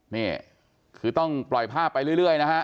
นี่คือต้องปล่อยภาพไปเรื่อยนะฮะ